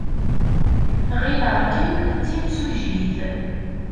Ɣileɣ-kem d timsujjit.